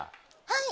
はい。